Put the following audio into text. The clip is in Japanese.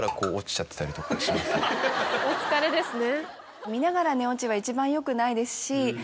お疲れですね。